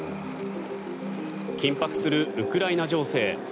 緊迫するウクライナ情勢。